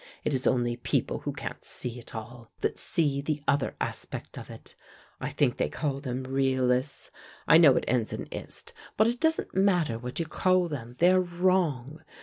It is only people who can't see at all, that see the other aspect of it. I think they call them realists I know it ends in 'ist.' But it doesn't matter what you call them. They are wrong.